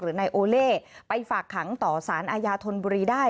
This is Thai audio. นายโอเล่ไปฝากขังต่อสารอาญาธนบุรีได้